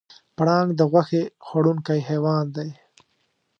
پړانګ د غوښې خوړونکی حیوان دی.